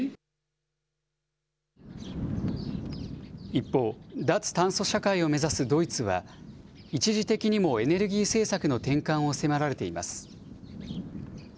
一方、脱炭素社会を目指すドイツは、一時的にもエネルギー政策の転換を迫られています。